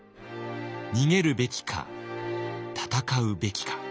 逃げるべきか戦うべきか。